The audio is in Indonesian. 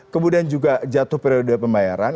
kemudian juga jatuh periode pembayaran